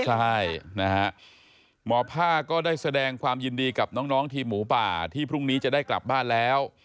ใช่นะฮะหมอผ้าก็ได้แสดงความยินดีกับน้องทีมหมูป่าที่พรุ่งนี้จะได้กลับบ้านแล้ว